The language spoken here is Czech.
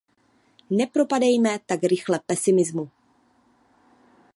Nepropadejme tak rychle pesimismu.